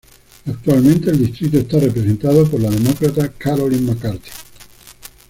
Actualmente el distrito está representado por la Demócrata Carolyn McCarthy.